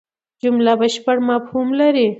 جمله بشپړ مفهوم لري.